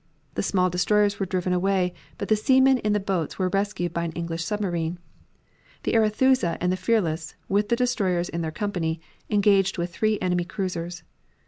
The small destroyers were driven away, but the seamen in the boats were rescued by an English submarine. The Arethusa and the Fearless, with the destroyers in their company, engaged with three enemy cruisers.